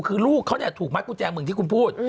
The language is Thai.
คือลูกเขาเนี่ยถูกมัดกุญแจมือที่คุณพูด